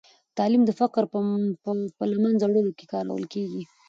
تعلیم د فقر په له منځه وړلو کې کارول کېږي.